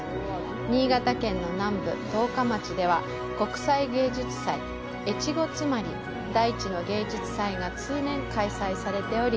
新潟県の南部、十日町では、国際芸術祭「越後妻有大地の芸術祭」が通年開催されており、